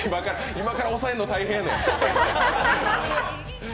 今から押さえんの大変やねん。